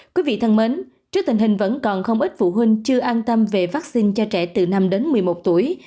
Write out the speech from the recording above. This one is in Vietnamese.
quý vị thân mến trước tình hình vẫn còn không ít phụ huynh chưa an tâm về vaccine cho trẻ từ năm đến một mươi một tuổi